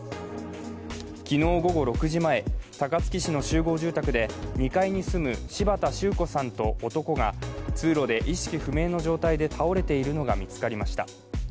昨日午後６時前、高槻市の集合住宅で２階に住む柴田周子さんと男が通路で意識不明の状態で倒れているのが見つかりました。